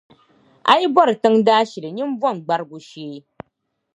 A yi bɔri tiŋa daashili nyin bomi gbarigu shee